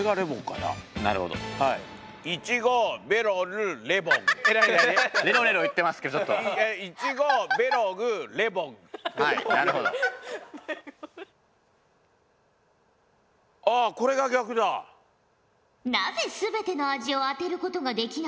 なぜ全ての味を当てることができなかったのか。